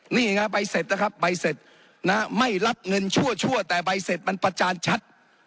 นี่ไงใบเสร็จนะครับใบเสร็จนะไม่รับเงินชั่วแต่ใบเสร็จมันประจานชัด